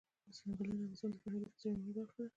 ځنګلونه د افغانستان د فرهنګي فستیوالونو برخه ده.